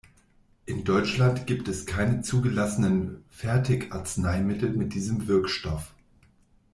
In Deutschland gibt es keine zugelassenen Fertigarzneimittel mit diesem Wirkstoff.